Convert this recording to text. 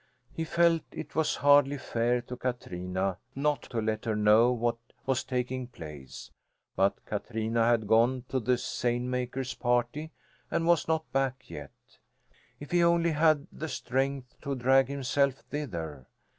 He felt it was hardly fair to Katrina not to let her know what was taking place. But Katrina had gone to the seine maker's party and was not back yet. If he only had the strength to drag himself thither!